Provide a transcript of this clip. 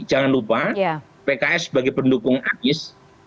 jangan lupa pks sebagai pendukung anies